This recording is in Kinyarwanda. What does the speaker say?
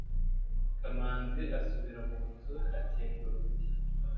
kamanzi asubira mu nzu akinga urugi